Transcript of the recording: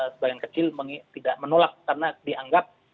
sebagian kecil tidak menolak karena dianggap proposalnya gitu ya